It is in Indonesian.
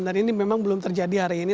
dan ini memang belum terjadi hari ini